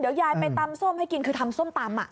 เดี๋ยวยายไปตำส้มให้กินคือทำส้มตำ